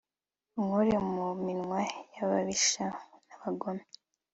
unkure mu minwe y'ababisha n'abagome